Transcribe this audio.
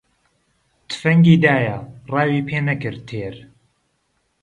تفەنگی دایە، ڕاوی پێ نەکرد تێر